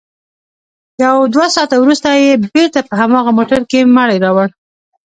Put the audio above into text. يو دوه ساعته وروسته يې بېرته په هماغه موټر کښې مړى راوړ.